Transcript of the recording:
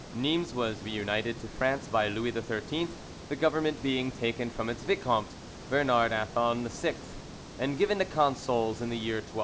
Nimes was reunited to France by Louis VIII, the government being taken from its vicomte, Bernard Athon VI, and given to consuls in the year 1207.